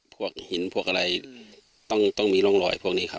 พวกหินพวกอะไรต้องมีร่องรอยพวกนี้ครับ